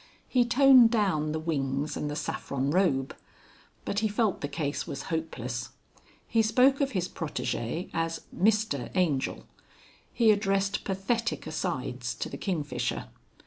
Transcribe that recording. He toned down the wings and the saffron robe. But he felt the case was hopeless. He spoke of his protégé as "Mr" Angel. He addressed pathetic asides to the kingfisher.